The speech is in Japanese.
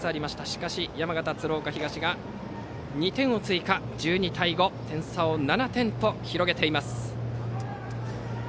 しかし山形・鶴岡東が２点を追加して１２対５と点差７点と広げています。